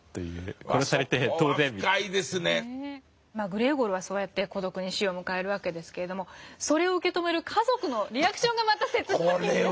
グレーゴルはそうやって孤独に死を迎えるわけですけれどもそれを受け止める家族のリアクションがまた切ないんですよね。